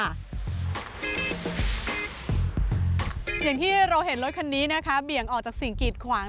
อย่างที่เราเห็นรถคันนี้นะคะเบี่ยงออกจากสิ่งกีดขวาง